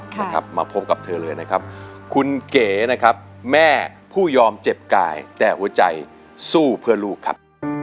นะครับมาพบกับเธอเลยนะครับคุณเก๋นะครับแม่ผู้ยอมเจ็บกายแต่หัวใจสู้เพื่อลูกครับ